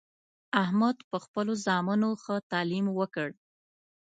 احمد په خپلو زامنو ښه تعلیم وکړ